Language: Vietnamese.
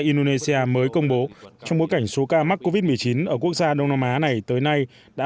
indonesia mới công bố trong bối cảnh số ca mắc covid một mươi chín ở quốc gia đông nam á này tới nay đã